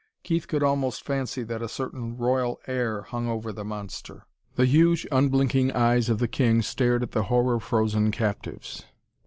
Keith could almost fancy that a certain royal air hung over the monster. The huge, unblinking eyes of the king stared at the horror frozen captives.